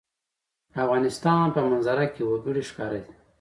د افغانستان په منظره کې وګړي ښکاره ده.